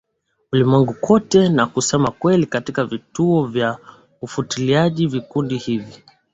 ulimwenguni Kote na kusema kweli katika vituo vya ufuatiliaji Vikundi hivi